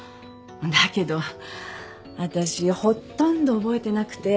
だけど私ほとんど覚えてなくて。